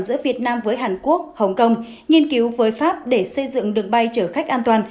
giữa việt nam với hàn quốc hồng kông nghiên cứu với pháp để xây dựng đường bay chở khách an toàn